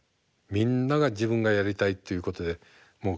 みんなが自分がやりたいということでもう